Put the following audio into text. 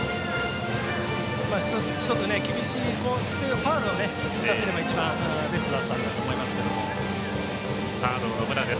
１つ厳しいコースでファウルを打たせれば一番ベストだったんだと思います。